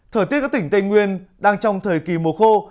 thời tiết các tỉnh tây nguyên đang trong thời kỳ mùa khô